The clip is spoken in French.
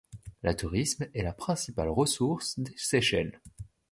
Le tourisme est la principale ressource des Seychelles.